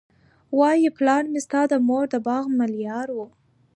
وايي پلار مي ستا د مور د باغ ملیار وو